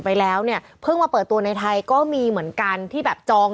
ไปแล้วเนี่ยเพิ่งมาเปิดตัวในไทยก็มีเหมือนกันที่แบบจอง